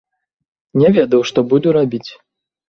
Не ведаў, што буду рабіць.